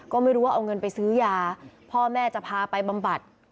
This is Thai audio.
ก็ไม่รู้ว่าเอาเงินไปซื้อยาพ่อแม่จะพาไปบำบัด